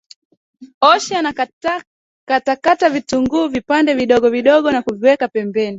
Osha na kukata kitunguu vipande vidogo vidogo na kuviweka pembeni